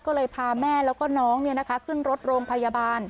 ก็เลยพาแม่แล้วก็น้องขึ้นรถโรงพยาบาล